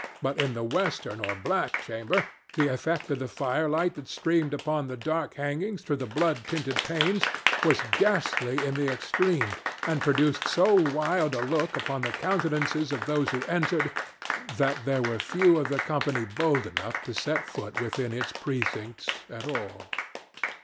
But in the western or black chamber the effect of the fire light that streamed upon the dark hangings through the blood tinted panes, was ghastly in the extreme, and produced so wild a look upon the countenances of those who entered, that there were few of the company bold enough to set foot within its precincts at all.